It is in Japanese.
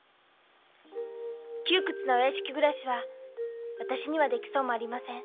窮屈なお屋敷ぐらしはわたしにはできそうもありません。